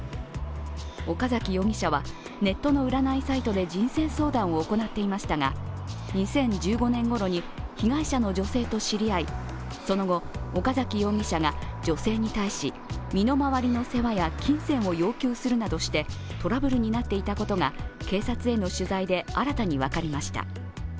岡崎容疑者はネットの占いサイトで人生相談を行っていましたが２０１５年ごろに被害者の女性と知り合いその後、岡崎容疑者が女性に対し身の回りの世話や金銭を要求するなどしてトラブルになっていたことが警察への取材で新たに分かりました。